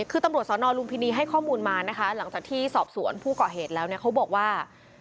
คือตำรวจสนลุมพินีให้ข้อมูลมานะคะหลังจากที่สอบสวนผู้ก่อเหตุแล้วเนี่ยเขาบอกว่า